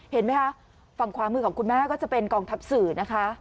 เห็นไหมคะฝั่งขวามือของคุณแม่ก็จะเป็นกองทัพสื่อนะคะ